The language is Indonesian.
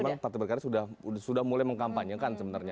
memang partai berkarya sudah mulai mengkampanyekan sebenarnya